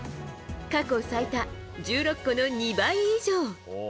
過去最多、１６個の２倍以上。